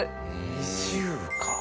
２０か。